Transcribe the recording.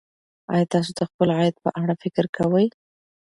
ایا تاسو د خپل عاید په اړه فکر کوئ.